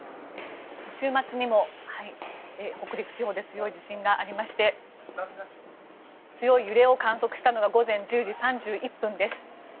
週末にも、北陸地方で強い地震がありまして強い揺れを観測したのは午前１０時３１分です。